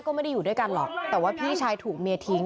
ก็ไม่ได้อยู่ด้วยกันหรอกแต่ว่าพี่ชายถูกเมียทิ้ง